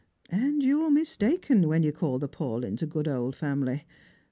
And you're mistaken when you call the Paulyns a good old family.